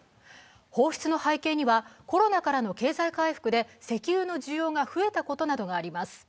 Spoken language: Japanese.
放出の背景にはコロナからの経済回復で石油の需要が増えたことなどがあります。